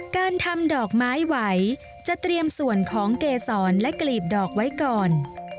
การทำดอกไม้ไหวจะเตรียมส่วนของเกษรและกลีบดอกไว้ก่อน